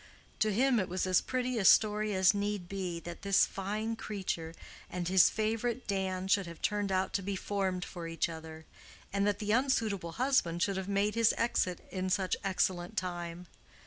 To him it was as pretty a story as need be that this fine creature and his favorite Dan should have turned out to be formed for each other, and that the unsuitable husband should have made his exit in such excellent time.